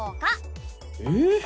えっ？